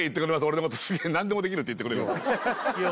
俺のこと何でもできるって言ってくれるんですよ